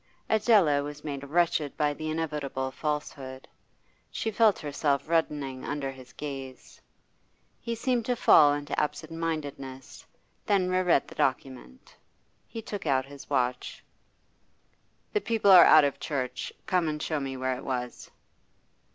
Adela was made wretched by the inevitable falsehood. She felt herself reddening under his gaze. He seemed to fall into absent mindedness, then re read the document. Then he took out his watch. 'The people are out of church. Come and show me where it was.